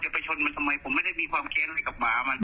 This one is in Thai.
ไปชนมันทำไมผมไม่ได้มีความแค้นอะไรกับหมามัน